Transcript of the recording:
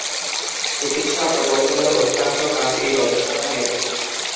চিকিৎসা প্রকৌশলের অধিকাংশ কাজ ই গবেষণা নির্ভর।